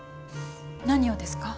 何をですか？